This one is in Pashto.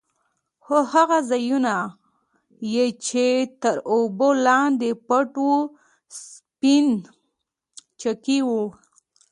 خو هغه ځايونه يې چې تر اوبو لاندې پټ وو سپينچکي وو.